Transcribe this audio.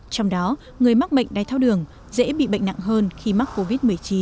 trong đó người mắc bệnh đai thao đường dễ bị bệnh nặng hơn khi mắc covid một mươi chín